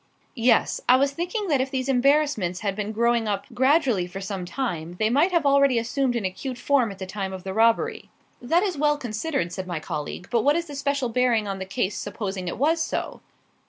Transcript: "Yes. I was thinking that if these embarrassments had been growing up gradually for some time, they might have already assumed an acute form at the time of the robbery." "That is well considered," said my colleague. "But what is the special bearing on the case supposing it was so?"